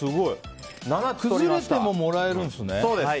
崩れももらえるんですね。